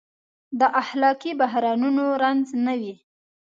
د اخلاقي بحرانونو رنځ نه وي.